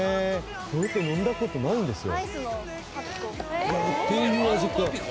これって飲んだことないですよ。